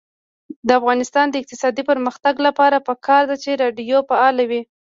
د افغانستان د اقتصادي پرمختګ لپاره پکار ده چې راډیو فعاله وي.